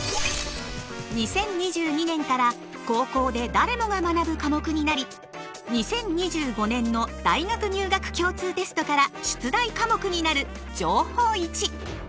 ２０２２年から高校で誰もが学ぶ科目になり２０２５年の大学入学共通テストから出題科目になる「情報Ⅰ」。